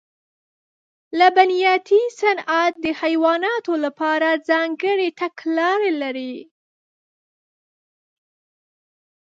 لبنیاتي صنعت د حیواناتو لپاره ځانګړې تګلارې لري.